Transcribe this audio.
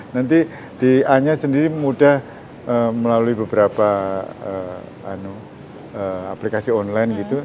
nanti di a nya sendiri mudah melalui beberapa aplikasi online gitu